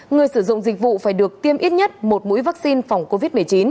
người sử dụng dịch vụ phải được tiêm ít nhất một mũi vaccine phòng covid một mươi chín